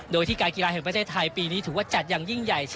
โดยที่การกีฬาแห่งประเทศไทยปีนี้ถือว่าจัดอย่างยิ่งใหญ่